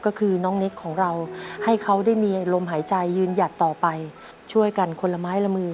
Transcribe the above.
ก็คือน้องนิกของเราให้เขาได้มีลมหายใจยืนหยัดต่อไปช่วยกันคนละไม้ละมือ